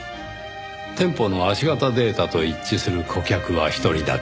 店舗の足型データと一致する顧客は一人だけ。